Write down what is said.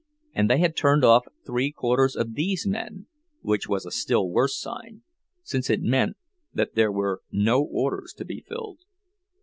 And they had turned off three quarters of these men, which was a still worse sign, since it meant that there were no orders to be filled.